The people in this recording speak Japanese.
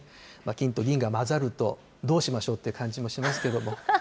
きんとぎんが混ざると、どうしましょうって感じもしますけども。